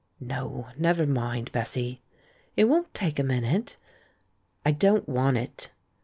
"No, never mind, Bessy." "It won't take a minute." "I don't want it."